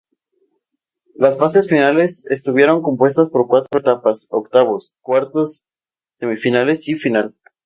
Las fases finales estuvieron compuestas por cuatro etapas: octavos, cuartos, semifinales y final.